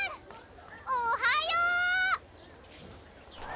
おはよう！